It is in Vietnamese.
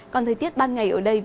còn thời tiết ban ngày ở đây vẫn có